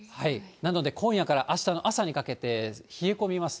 なので、今夜からあしたの朝にかけて冷え込みます。